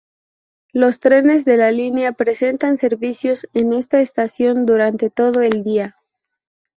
Los trenes de la línea prestan servicios en esta estación, durante todo el día.